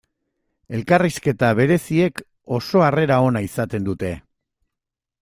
Elkarrizketa bereziek oso harrera ona izaten dute.